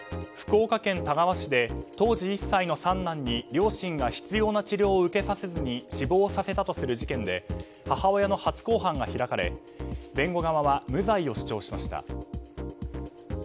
福岡県田川市で当時１歳の三男に両親が必要な治療を受けさせずに死亡させたとする事件で母親の初公判が開かれ弁護側は無罪を主張しました。